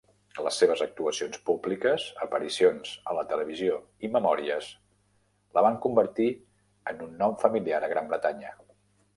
Les seves actuacions públiques, aparicions a la televisió i memòries la van convertir en un nom familiar a Gran Bretanya.